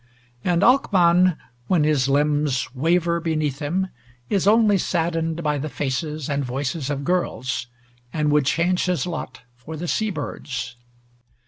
And Alcman, when his limbs waver beneath him, is only saddened by the faces and voices of girls, and would change his lot for the sea birds.